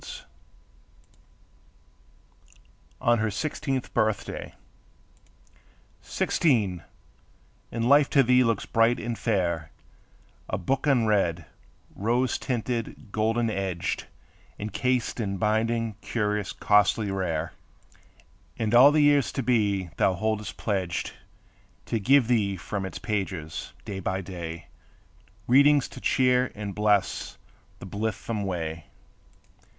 TO ANNA ON HER SIXTEENTH BIRTHDAY Sixteen! and life to thee looks bright and fair; A book unread, rose tinted, golden edged, Encased in binding curious, costly, rare; And all the years to be thou holdest pledged To give thee from its pages, day by day, Readings to cheer and bless the blithesome way.